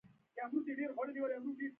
ښوونځی د زده کړې ځای دی